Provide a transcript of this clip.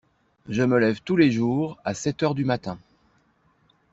Je me lève tous les jours à sept heures du matin.